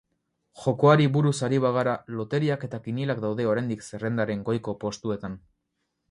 Jokoari buruz ari bagara, loteriak eta kinielak daude oraindik zerrendaren goiko postuetan.